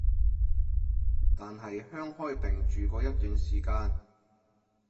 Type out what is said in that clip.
但係響開平住過一段時間